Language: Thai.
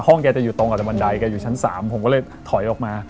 แกจะอยู่ตรงกับบันไดแกอยู่ชั้น๓ผมก็เลยถอยออกมา